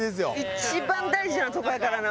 一番大事なとこやからな。